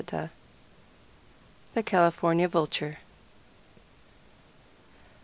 _ THE CALIFORNIA VULTURE.